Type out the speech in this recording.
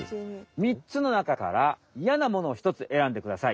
みっつの中からイヤなものをひとつえらんでください。